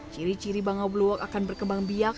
ciri ciri bangau blue walk akan berkembang biak